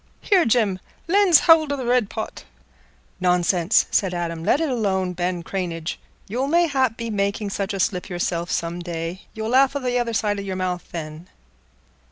Here, Jim, lend's hould o' th' red pot." "Nonsense!" said Adam. "Let it alone, Ben Cranage. You'll mayhap be making such a slip yourself some day; you'll laugh o' th' other side o' your mouth then."